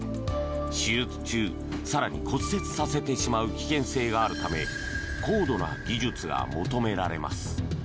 手術中、更に骨折させてしまう危険性があるため高度な技術が求められます。